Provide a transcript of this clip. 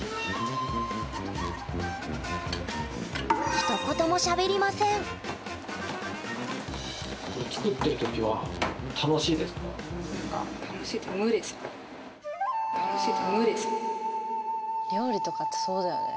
ひと言もしゃべりません料理とかってそうだよね。